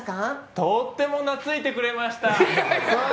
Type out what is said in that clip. とってもなついてくれました。